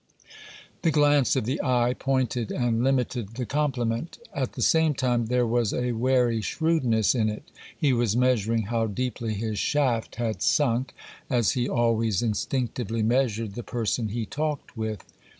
The glance of the eye pointed and limited the compliment; at the same time there was a wary shrewdness in it: he was measuring how deeply his shaft had sunk, as he always instinctively measured the person he talked with.